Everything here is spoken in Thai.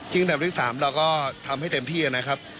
อันดับที่๓เราก็ทำให้เต็มที่นะครับ